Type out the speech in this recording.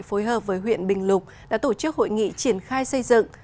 phối hợp với huyện bình lục đã tổ chức hội nghị triển khai xây dựng